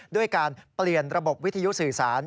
ด้วยการเปลี่ยนระบบวิทยุสื่อสาร